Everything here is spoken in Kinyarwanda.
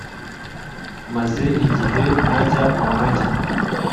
maze igihe ntajya mumujyi